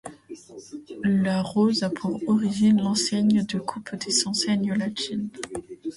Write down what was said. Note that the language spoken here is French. La rose a pour origine l'enseigne de coupe des enseignes latines.